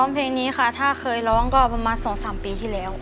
เพลงนี้ค่ะถ้าเคยร้องก็ประมาณ๒๓ปีที่แล้ว